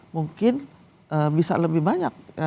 mungkin bisa lebih banyak